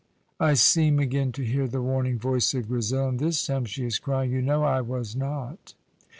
I seem again to hear the warning voice of Grizel, and this time she is crying: "You know I was not."